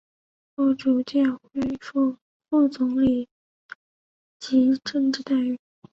后逐渐恢复副总理级政治待遇。